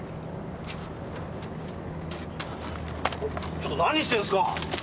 ちょっと何してんすか！？